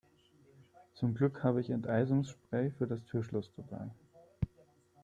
Zum Glück habe ich Enteisungsspray für das Türschloss dabei.